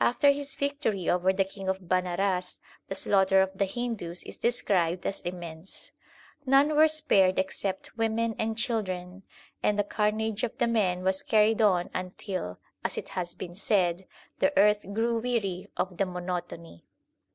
After his victory over the King of Banaras the slaughter of the Hindus is described as immense. None were spared except women and children, and the carnage of the men was carried on until, as it has been said, the earth grew weary of the monotony.